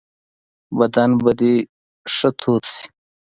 بدن به دي ښه تود شي .